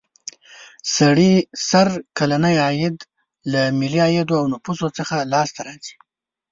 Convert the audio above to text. سړي سر کلنی عاید له ملي عاید او نفوسو څخه لاس ته راځي.